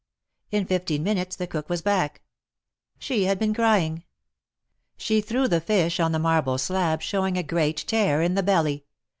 In fifteen minutes the cook was back. She had been crying. She threw the fish on the marble slab, showing a great tear in the belly.